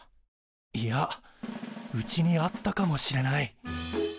いやうちにあったかもしれない。